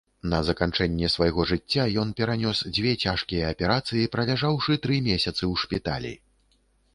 На заканчэнне свайго жыцця ён перанёс дзве цяжкія аперацыі, праляжаўшы тры месяцы ў шпіталі.